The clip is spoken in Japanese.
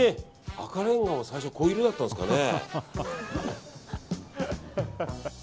赤レンガも最初こういう色だったんですかね。